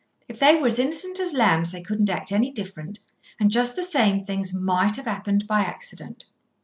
If they were as innocent as lambs they couldn't act any different; and just the same, things might have happened by accident."